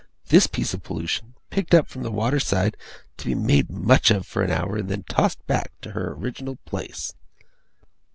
This piece of pollution, picked up from the water side, to be made much of for an hour, and then tossed back to her original place!